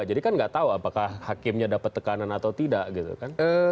jadi kan nggak tahu apakah hakimnya dapat tekanan atau tidak gitu kan